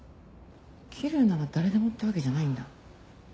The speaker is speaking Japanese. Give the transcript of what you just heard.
きれいなら誰でもってわけじゃないんだ。